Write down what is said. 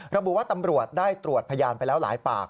ระบุว่าตำรวจได้ตรวจพยานไปแล้วหลายปาก